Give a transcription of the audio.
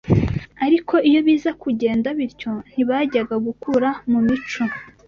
ariko iyo biza kugenda bityo, ntibajyaga gukura mu mico